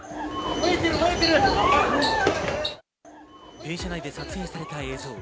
電車内で撮影された映像。